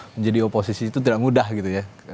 menjadi oposisi itu tidak mudah gitu ya